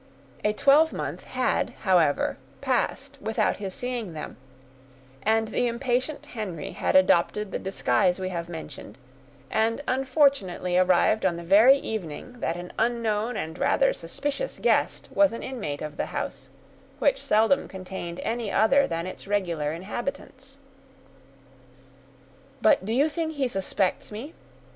A twelvemonth had, however, passed without his seeing them, and the impatient Henry had adopted the disguise we have mentioned, and unfortunately arrived on the very evening that an unknown and rather suspicious guest was an inmate of the house, which seldom contained any other than its regular inhabitants. "But do you think he suspects me?"